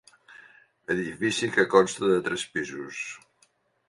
Edifici que consta de tres pisos.